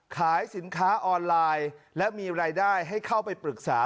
ขายสินค้าออนไลน์และมีรายได้ให้เข้าไปปรึกษา